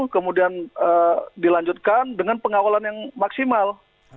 kemudian dilanjutkan dengan pengawalan yang maksimal